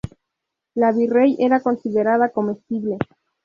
La virrey, era considerada comestible.